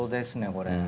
これ。